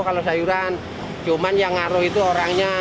kalau sayuran cuman yang ngaruh itu orangnya